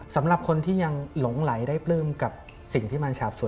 สำหรับคนที่ยังหลงไหลได้ปลื้มกับสิ่งที่มันฉาบสู